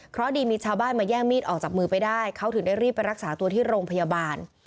เพราะดีมีชาวบ้านมาแย่งมีดออกจากมือไปได้เขาถึงได้รีบไปรักษาตัวที่โรงพยาบาล